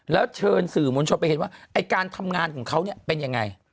แล้วเชิญสื่อมวลชนไปเห็นว่าไอ้การทำงานของเขาเนี่ยเป็นยังไง